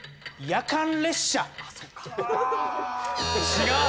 違う。